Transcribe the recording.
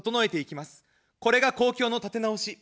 これが公共の立て直し。